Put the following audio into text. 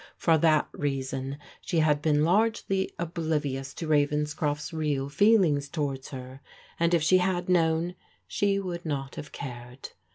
For that reason she had been largely oblivious to Ravens croft's real feelings towards her, and if she had known, she would not have cared.